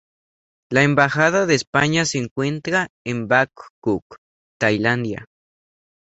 La Embajada de España se encuentra en Bangkok, Tailandia.